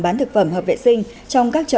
bán thực phẩm hợp vệ sinh trong các chợ